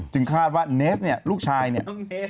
คาดว่าเนสเนี่ยลูกชายเนี่ย